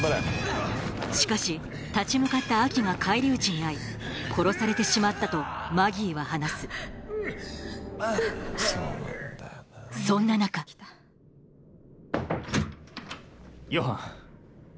しかし立ち向かったアキが返り討ちに遭い殺されてしまったとマギーは話すそんな中ヨハン。